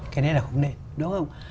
cái này là không nên đúng không